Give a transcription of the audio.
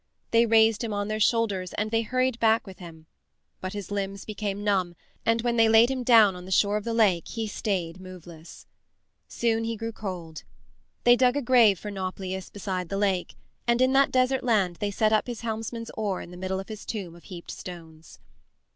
They raised him on their shoulders and they hurried back with him. But his limbs became numb, and when they laid him down on the shore of the lake he stayed moveless. Soon he grew cold. They dug a grave for Nauplius beside the lake, and in that desert land they set up his helmsman's oar in the middle of his tomb of heaped stones.